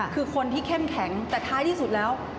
คือคนที่เข้มแข็งแต่ท้ายที่สุดแล้ว